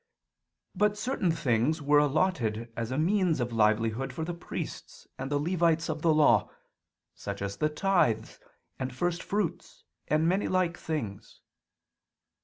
But certain things were allotted as a means of livelihood for the priests and Levites of the Law: such as the tithes and first fruits, and many like things.